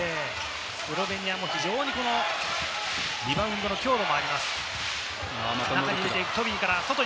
スロベニアはリバウンドの強度もあります。